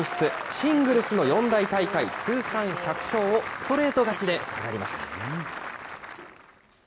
シングルスの四大大会、通算１００勝をストレート勝ちで飾りました。